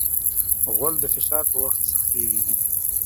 غول د فشار په وخت سختېږي.